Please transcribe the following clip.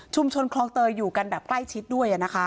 ชุมชนคลองเตอร์อยู่กันแบบใกล้ชิดด้วยอ่ะนะคะ